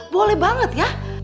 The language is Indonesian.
boleh banget ya